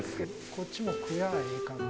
こっちも食やあええかな。